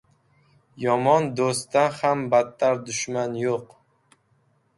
• Yomon do‘stdan ham battar dushman yo‘q.